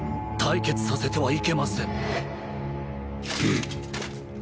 対決させてはいけません